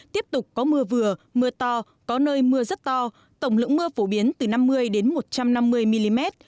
tiếp tục có mưa vừa mưa to có nơi mưa rất to tổng lượng mưa phổ biến từ năm mươi đến một trăm năm mươi mm